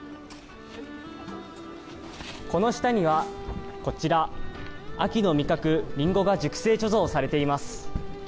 この下には秋の味覚、リンゴが熟成貯蔵されています。